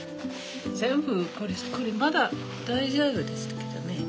全部これまだ大丈夫ですけどね。